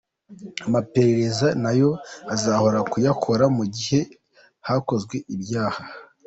Amaperereza nayo azoroha kuyakora mu gihe hakozwe ibyaha.